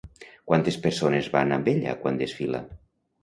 Quantes persones van amb ella quan desfila?